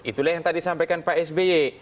itulah yang tadi sampaikan pak sby